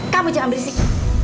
kamu jangan berisik